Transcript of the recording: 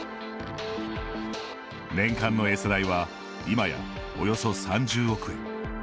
年間のエサ代はいまや、およそ３０億円。